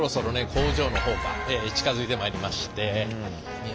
工場の方が近づいてまいりまして。